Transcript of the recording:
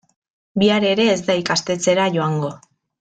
Bihar ere ez da ikastetxera joango.